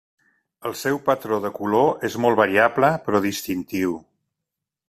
El seu patró de color és molt variable però distintiu.